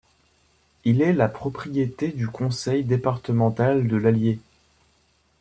Il est la propriété du Conseil départemental de l'Allier.